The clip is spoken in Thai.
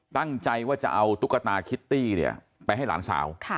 ตั้งใจว่าจะเอาตุ๊กตาคิตตี้เนี่ยไปให้หลานสาว